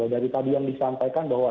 dari tadi yang disampaikan bahwa